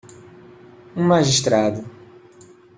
Um magistrado